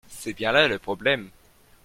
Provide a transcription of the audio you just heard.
c'est bien là le problème.